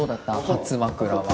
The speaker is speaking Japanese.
初枕は。